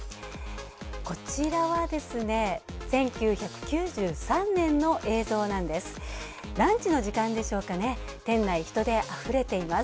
こちらはですね、１９９３年の映像なんです。